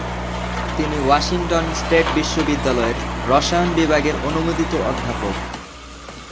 তিনি Washington State বিশ্ববিদ্যালয়ের রসায়ন বিভাগের অনুমোদিত অধ্যাপক।